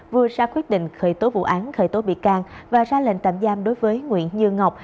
vừa ra quyết định khởi tố vụ án khởi tố bị can và ra lệnh tạm giam đối với nguyễn như ngọc